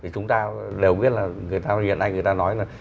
chúng ta đều biết là hiện nay người ta nói là